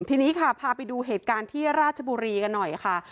ทีนี้ค่ะพาไปดูเหตุการณ์ที่ราชบุรีกันหน่อยค่ะ